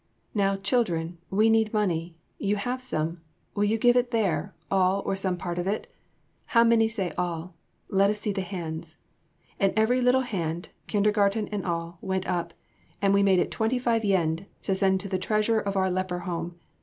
"Now, children, we need money; you have some; will you give it there, all or some part of it? How many say all? Let us see the hands": and every little hand, kindergarten and all, went up, and we made it twenty five yen to send to the Treasurer of our Leper Home.